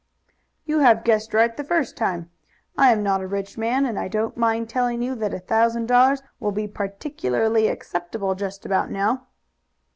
"You have guessed right the first time. I am not a rich man, and I don't mind telling you that a thousand dollars will be particularly acceptable just about now."